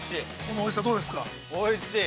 ◆おいしい。